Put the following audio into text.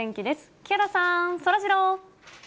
木原さん、そらジロー。